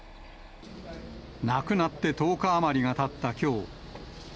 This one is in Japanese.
亡くなって１０日余りがたったきょう。